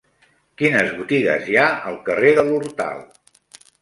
Quines botigues hi ha al carrer de l'Hortal?